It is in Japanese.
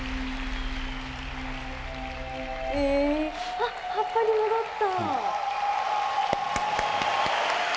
あっ葉っぱに戻った。